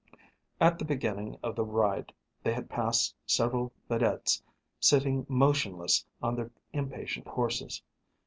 At the beginning of the ride they had passed several vedettes sitting motionless on their impatient horses.